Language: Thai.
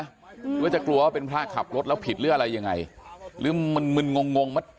หรือว่าจะกลัวว่าเป็นพระขับรถแล้วผิดหรืออะไรยังไงหรือมึนมึนงงงว่า